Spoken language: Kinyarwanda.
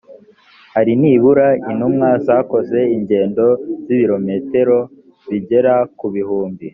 hari nibura intumwa zakoze ingendo z ibirometero bigera ku bihumbi